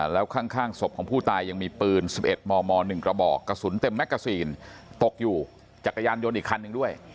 แล้วข้างศพของผู้ตายยังมีปืน๑๑มม๑กระบอกกระสุนเต็มแมกกาซีนตกอยู่จักรยานยนต์อีกคันหนึ่งด้วย